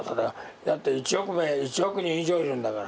だって１億人以上いるんだから。